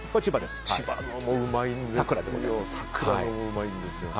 千葉のもうまいんですよ。